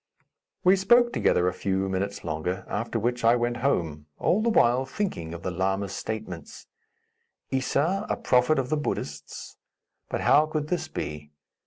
We spoke together a few minutes longer, after which I went home, all the while thinking of the lama's statements. Issa, a prophet of the Buddhists! But, how could this be?